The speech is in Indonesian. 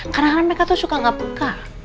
kadang kadang mereka tuh suka gak peka